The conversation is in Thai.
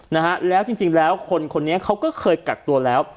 นะฮะแล้วจริงจริงแล้วคนคนนี้เขาก็เคยกักตัวแล้ว